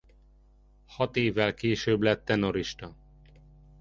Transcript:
Hat évvel később lett tenorista.